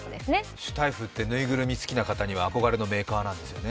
シュタイフって縫いぐるみ好きな方には憧れのメーカーなんですよね。